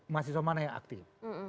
mahasiswa mana yang aktif